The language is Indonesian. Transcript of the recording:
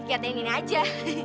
kegiatan ini aja